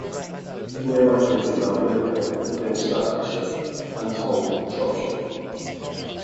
Nearby places are Blymhill, within Staffordshire, and Tong, Shropshire.